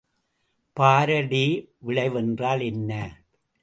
Faraday விளைவு என்றால் என்ன?